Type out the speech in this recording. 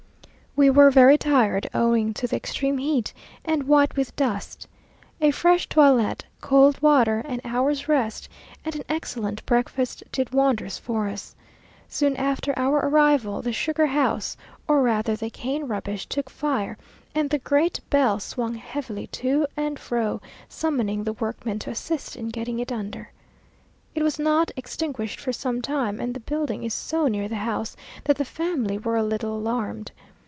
We were very tired owing to the extreme heat, and white with dust. A fresh toilet, cold water, an hour's rest, and an excellent breakfast, did wonders for us. Soon after our arrival, the sugar house, or rather the cane rubbish, took fire, and the great bell swung heavily to and fro, summoning the workmen to assist in getting it under. It was not extinguished for some time, and the building is so near the house, that the family were a little alarmed.